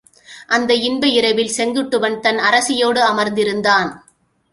அந்த இன்ப இரவில் செங்குட்டுவன் தன் அரசியோடு அமர்ந்திருந்தான்.